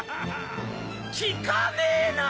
効かねえな！